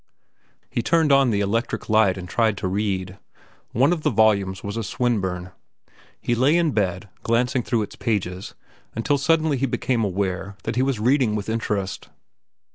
He turned on the electric light and tried to read. One of the volumes was a Swinburne. He lay in bed, glancing through its pages, until suddenly he became aware that he was reading with interest.